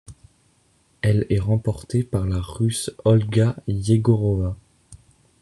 Elle est remportée par la Russe Olga Yegorova.